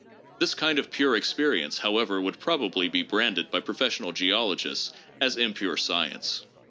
This kind of pure experience, however, would probably be branded by professional geologists as impure science.